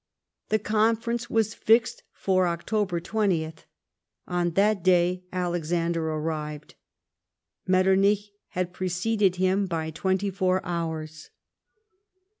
The Conference was fixed for October 20th. On that day Alexander arrived. Metter nich had preceded him by twenty four hours.